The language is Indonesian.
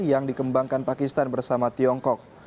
yang dikembangkan pakistan bersama tiongkok